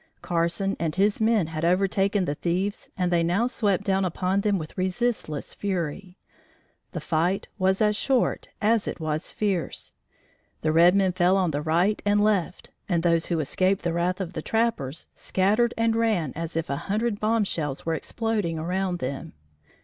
Carson and his men had overtaken the thieves and they now swept down upon them with resistless fury. The fight was as short as it was fierce. The red men fell on the right and left, and those who escaped the wrath of the trappers, scattered and ran as if a hundred bomb shells were exploding around them.